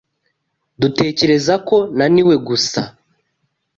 Dutekereza ko naniwe gusa